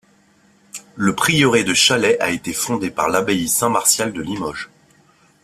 Le prieuré de Chalais a été fondé par l'abbaye Saint-Martial de Limoges.